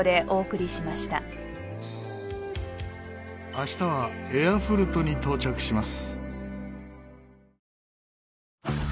明日はエアフルトに到着します。